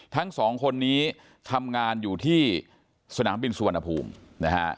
ทั้งสองคนนี้ทำงานอยู่ที่สนามบินสุวรรณภูมินะฮะ